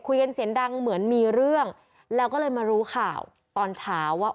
เสียงดังเหมือนมีเรื่องแล้วก็เลยมารู้ข่าวตอนเช้าว่า